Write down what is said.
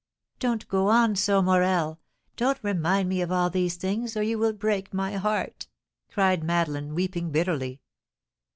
"Don't go on so, Morel. Don't remind me of all these things, or you will break my heart," cried Madeleine, weeping bitterly.